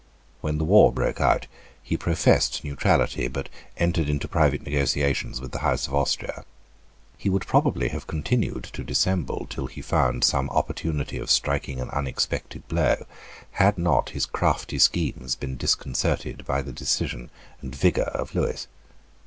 When the war broke out, he professed neutrality, but entered into private negotiations with the House of Austria. He would probably have continued to dissemble till he found some opportunity of striking an unexpected blow, had not his crafty schemes been disconcerted by the decision and vigour of Lewis.